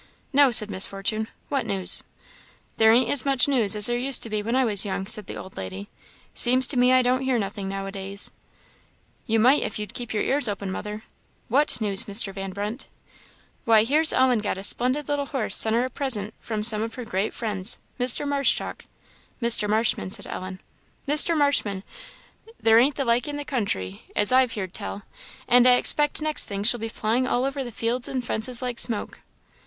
"No," said Miss Fortune. "What news?" "There ain't as much news as there used to be when I was young," said the old lady; "seems to me I don't hear nothing now a days." "You might if you'd keep your ears open, mother. What news, Mr. Van Brunt?" "Why, here's Ellen's got a splendid little horse sent her a present from some of her great friends Mr. Marshchalk" "Mr. Marshman," said Ellen. "Mr. Marshman. There ain't the like in the country, as I've heerd tell; and I expect next thing she'll be flying over all the fields and fences like smoke."